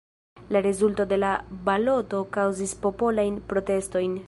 La rezulto de la baloto kaŭzis popolajn protestojn.